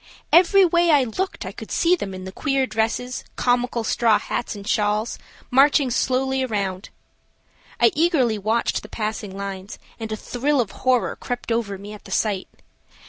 Every way I looked I could see them in the queer dresses, comical straw hats and shawls, marching slowly around. I eagerly watched the passing lines and a thrill of horror crept over me at the sight.